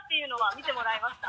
見てもらいました。